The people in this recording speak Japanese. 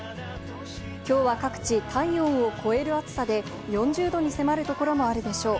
きょうは各地体温を超える暑さで４０℃に迫るところもあるでしょう。